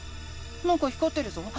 なんか光ってるぞ。